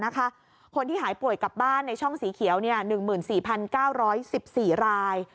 คนที่หายป่วยกลับบ้านในช่องสีเขียว๑๔๙๑๔ราย